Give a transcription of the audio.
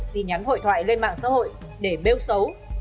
tin nhắn hội thoại lên mạng xã hội để bêu xấu